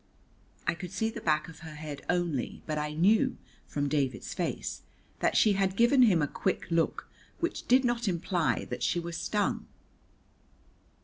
I could see the back of her head only, but I knew, from David's face, that she had given him a quick look which did not imply that she was stung.